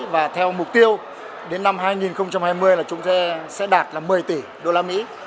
và theo mục tiêu đến năm hai nghìn hai mươi chúng ta sẽ đạt một mươi tỷ usd